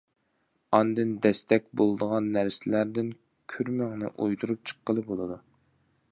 ئاندىن دەستەك بولىدىغان نەرسىلەردىن كۈرمىڭنى ئويدۇرۇپ چىققىلى بولىدۇ.